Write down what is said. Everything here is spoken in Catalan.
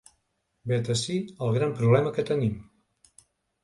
Vet ací el gran problema que tenim.